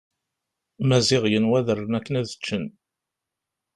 Maziɣ yenwa ad rren akken ad ččen.